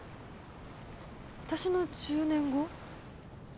私の１０年後？